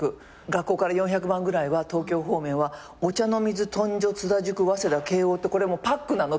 学校から４００番ぐらいは東京方面はお茶の水東女津田塾早稲田慶應ってこれパックなの。